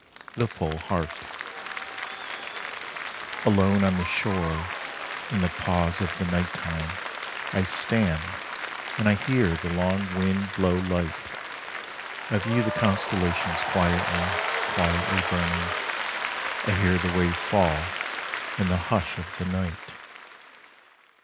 THE FULL HEART Alone on the shore in the pause of the night time I stand and I hear the long wind blow light; I view the constellations quietly, quietly burning; I hear the wave fall in the hush of the night.